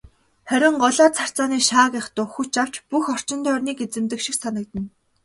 Харин голио царцааны шаагих дуу хүч авч бүх орчин тойрныг эзэмдэх шиг санагдана.